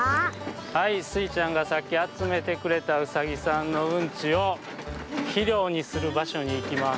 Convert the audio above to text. はいスイちゃんがさっきあつめてくれたうさぎさんのうんちをひりょうにするばしょにいきます。